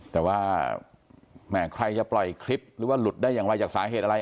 แต่ว่าแหมใครจะปล่อยคลิปหรือว่าหลุดได้อย่างไรจากสาเหตุอะไร